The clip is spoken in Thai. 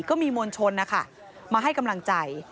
ก็มีมวลชนนะคะมาให้กำลังใจ